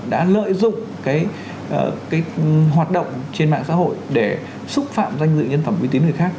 đã lợi dụng hoạt động trên mạng xã hội để xúc phạm danh dự nhân phẩm uy tín người khác